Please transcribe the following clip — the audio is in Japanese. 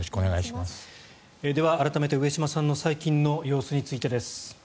では、改めて上島さんの最近の様子についてです。